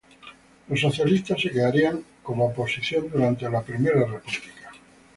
Los socialistas se quedarían como oposición durante la Primera República.